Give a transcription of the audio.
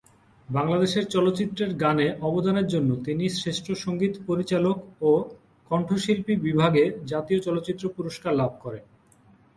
বাংলাদেশের চলচ্চিত্রের গানে অবদানের জন্য তিনি শ্রেষ্ঠ সঙ্গীত পরিচালক ও কণ্ঠশিল্পী বিভাগে জাতীয় চলচ্চিত্র পুরস্কার লাভ করেন।